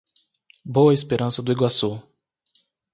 Boa Esperança do Iguaçu